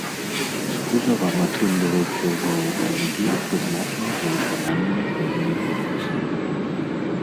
З кузавам атрымліваўся ўжо аўтамабіль, прызначаны для выканання пэўнай функцыі.